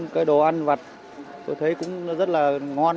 cái đồ ăn vặt tôi thấy cũng rất là ngon